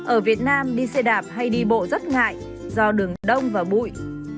ở việt nam đi xe đạp hay đi bộ rất ngại do đường đông và bụi